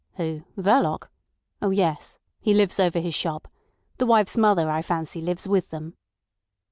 "Who—Verloc? Oh yes. He lives over his shop. The wife's mother, I fancy, lives with them."